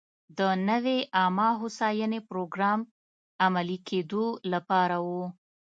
د نوې عامه هوساینې پروګرام عملي کېدو لپاره و.